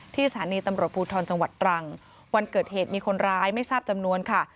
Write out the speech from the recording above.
สถานีตำรวจภูทรจังหวัดตรังวันเกิดเหตุมีคนร้ายไม่ทราบจำนวนค่ะ